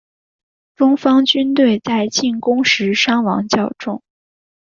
中方军队在进攻时伤亡较重。